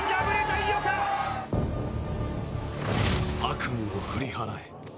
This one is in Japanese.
ＪＴ悪夢を振り払え